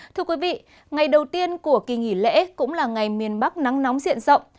thưa quý vị ngày đầu tiên của kỳ nghỉ lễ cũng là ngày miền bắc nắng nóng diện rộng